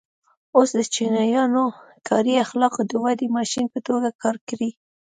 اوس د چینایانو کاري اخلاقو د ودې ماشین په توګه کار کړی.